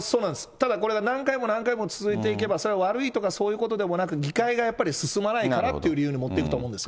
ただこれが何回も何回も続いていけば、それは悪いとかそういうことでもなく、議会がやっぱり進まないからという理由に持っていくと思うんです